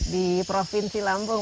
di provinsi lampung